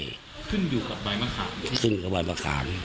ขึ้นอยู่กับใบมะขามซึ่งกับใบมะขาม